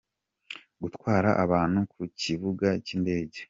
Gutwara abantu ku kibuga cy’indege.